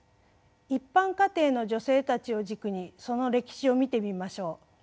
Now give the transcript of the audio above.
一般家庭の女性たちを軸にその歴史を見てみましょう。